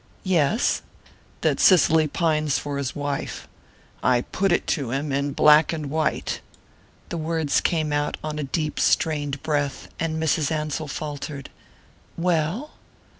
"Yes?" "That Cicely pines for his wife. I put it to him in black and white." The words came out on a deep strained breath, and Mrs. Ansell faltered: "Well?"